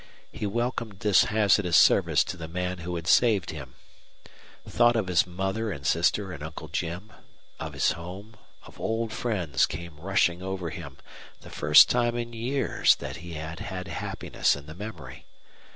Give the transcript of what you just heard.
He welcomed this hazardous service to the man who had saved him. Thought of his mother and sister and Uncle Jim, of his home, of old friends came rushing over him the first time in years that he had happiness in the memory.